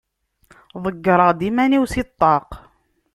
Ḍeggreɣ-d iman-iw si ṭṭaq.